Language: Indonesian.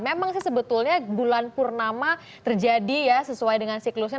memang sih sebetulnya bulan purnama terjadi ya sesuai dengan siklusnya